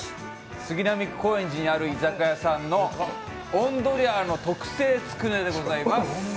杉並区高円寺にある居酒屋さん、音鶏家の特製つくねでございます。